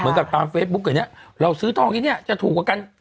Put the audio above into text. เหมือนกับตามเฟซบุ๊กอย่างเงี้ยเราซื้อทองอย่างเงี้ยจะถูกกว่ากัน